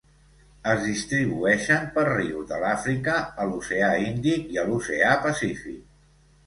Es distribueixen per rius de l'Àfrica, a l'oceà Índic i a l'oceà Pacífic.